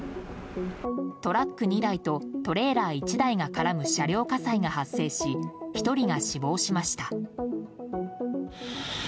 トラック２台とトレーラー１台が絡む車両火災が発生し１人が死亡しました。